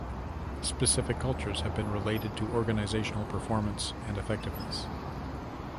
Specific cultures have been related to organizational performance and effectiveness.